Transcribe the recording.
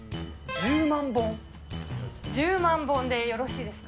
１０万本でよろしいですか？